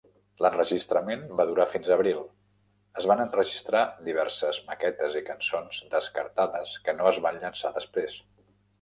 L'enregistrament va durar fins a abril. Es van enregistrar diverses maquetes i cançons descartades que no es van llançar després.